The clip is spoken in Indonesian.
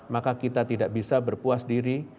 maka kita tidak bisa berpuas diri